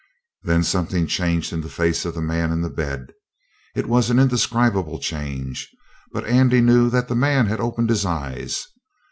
Then something changed in the face of the man in the bed. It was an indescribable change, but Andrew knew that the man had opened his eyes.